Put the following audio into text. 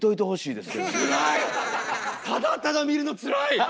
ただただ見るのつらい！